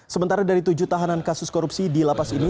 sementara dari tujuh tahanan kasus korupsi di lapas ini